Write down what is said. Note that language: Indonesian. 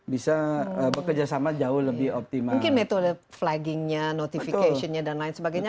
bisa bekerjasama jauh lebih optimal mungkin metode flaggingnya notificationnya dan lain sebagainya